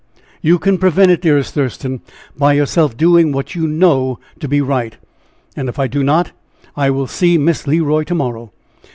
"You can prevent it, dearest Thurston, by yourself doing what you know to be right." "And if I do not?" "I will see Miss Le Roy, to morrow!"